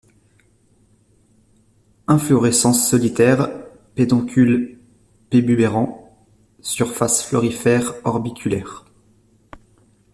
Inflorescences solitaires, pédoncule pubérulent, surface florifère orbiculaire.